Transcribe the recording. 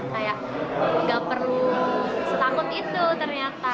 kayak nggak perlu setakut itu ternyata